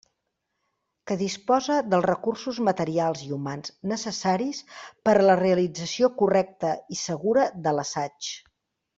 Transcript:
Que disposa dels recursos materials i humans necessaris per a la realització correcta i segura de l'assaig.